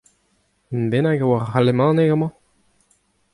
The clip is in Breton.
Unan bennak a oar alamaneg amañ ?